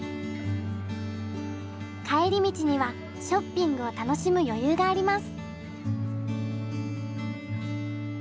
帰り道にはショッピングを楽しむ余裕があります。